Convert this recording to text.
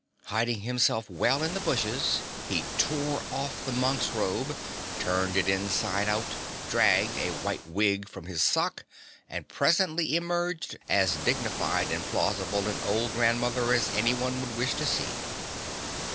Hiding himself well in the bushes, he tore off the monk's robe, turned it inside out, dragged a white wig from his sock and presently emerged as dignified and plausible an old grandmother as any one would wish to see.